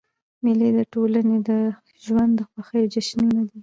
مېلې د ټولني د ژوند د خوښیو جشنونه دي.